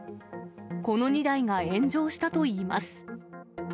この２台が炎上したといいます。